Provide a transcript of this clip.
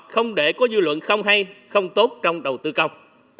không để có dư luận không hay không tốt trong đầu tư công